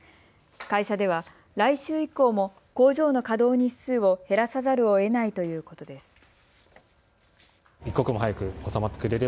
会社では来週以降も工場の稼働日数を減らさざるをえないということです。